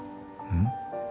うん？